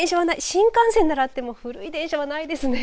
新幹線はあっても、古い電車はないですね。